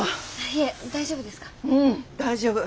うん大丈夫。